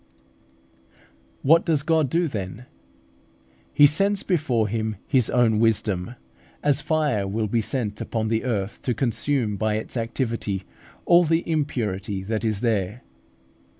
What does God do then? He sends before Him His own Wisdom, as fire will be sent upon the earth to consume by its activity all the impurity that is there.